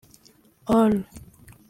Ol